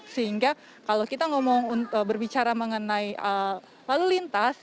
sehingga kalau kita berbicara mengenai lalu lintas